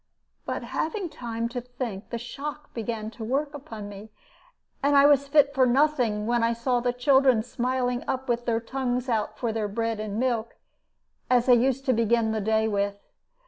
"But having time to think, the shock began to work upon me, and I was fit for nothing when I saw the children smiling up with their tongues out for their bread and milk, as they used to begin the day with.